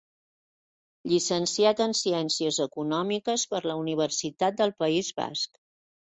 Llicenciat en Ciències Econòmiques per la Universitat del País Basc.